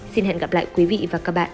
xin hẹn gặp lại quý vị và các bạn